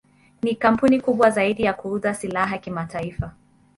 Ni kampuni kubwa zaidi ya kuuza silaha kimataifa.